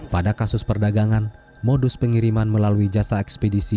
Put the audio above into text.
pada kasus perdagangan modus pengiriman melalui jasa ekspedisi